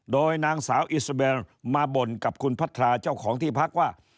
โดยนางสาวอิสเบลมาบ่นกับคุณพัทราเจ้าของที่พักว่า